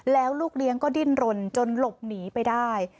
แล้วลูกเลี้ยงก็ดิ้นรนจนหลบหนีไปได้